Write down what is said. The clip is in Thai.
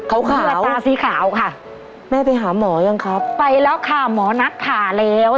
เขาขาตาสีขาวค่ะแม่ไปหาหมอยังครับไปแล้วค่ะหมอนัดผ่าแล้ว